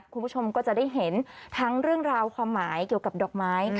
คุณผู้ชมก็จะได้เห็นทั้งเรื่องราวความหมายเกี่ยวกับดอกไม้